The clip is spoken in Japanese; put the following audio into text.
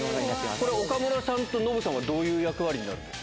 これ、岡村さんとノブさんはどういう役割になるんですか？